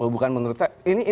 bukan menurut saya